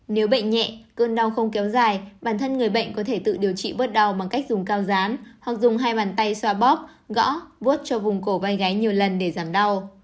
nếu bệnh nhẹ cơn đau không kéo dài bản thân người bệnh có thể tự điều trị bớt đau bằng cách dùng cao rán hoặc dùng hai bàn tay xoa bóp gõ vớt cho vùng cổ vai gái nhiều lần để giảm đau